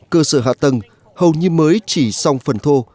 cơ sở hạ tầng hầu như mới chỉ xong phần thô